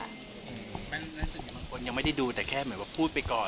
แม่นสุดที่บางคนยังไม่ได้ดูแต่แค่หมายความพูดไปก่อน